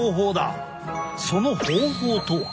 その方法とは。